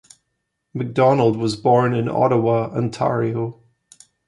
Macdonald was born in Ottawa, Ontario.